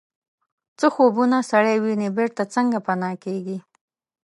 څه خوبونه سړی ویني بیرته څنګه پناه کیږي